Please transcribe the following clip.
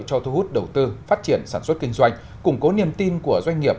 cho thu hút đầu tư phát triển sản xuất kinh doanh củng cố niềm tin của doanh nghiệp